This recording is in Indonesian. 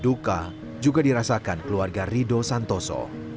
duka juga dirasakan keluarga rido santoso